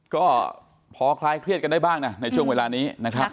ก็พอคลายเครียดกันได้บ้างนะในช่วงเวลานี้นะครับ